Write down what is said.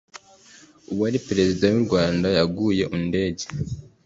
uwari Perezida w'u Rwanda yaguye undege